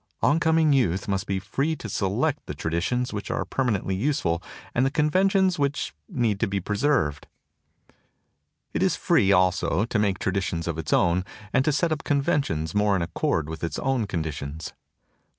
On coming youth must be free to select the traditions which are permanently useful and the conventions which need to be preserved. It is free also to make traditions of its own and to set up conventions more in accord with its own conditions.